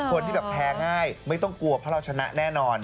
คนที่แบบแพ้ง่ายไม่ต้องกลัวเพราะเราชนะแน่นอน